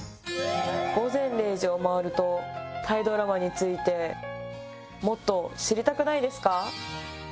午前０時を回るとタイドラマについてもっと知りたくないですか？